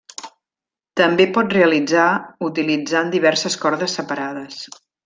També pot realitzar utilitzant diverses cordes separades.